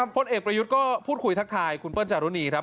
พลเอกประยุทธ์ก็พูดคุยทักทายคุณเปิ้ลจารุณีครับ